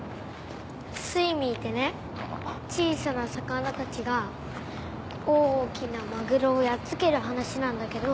『スイミー』ってね小さな魚たちが大きなマグロをやっつける話なんだけど。